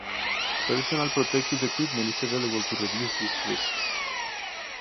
Personal protective equipment is available to reduce these risks.